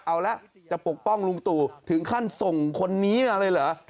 เอาละจะปกป้องลุงตู่ถึงขั้นส่งคนนี้มาเลยเหรอ